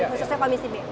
khususnya komisi b